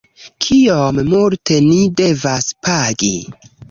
kiom multe ni devas pagi?